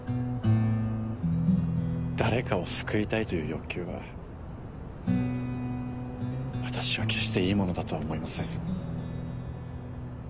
誰かを救いたいという欲求は私は決していいものだとは思いません。